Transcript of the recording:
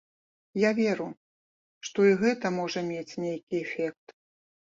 Я веру, што і гэта можа мець нейкі эфект.